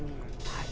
はい。